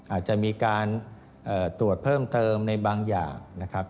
อาจจะมีการตรวจเพิ่มเติมในบางอย่างนะครับ